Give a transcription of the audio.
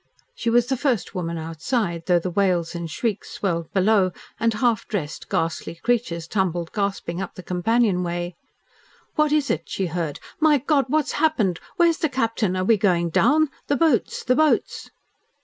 She was the first woman outside, though the wails and shrieks swelled below, and half dressed, ghastly creatures tumbled gasping up the companion way. "What is it?" she heard. "My God! what's happened? Where's the Captain! Are we going down! The boats! The boats!"